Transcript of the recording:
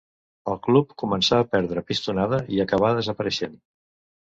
El club començà a perdre pistonada i acabà desapareixent.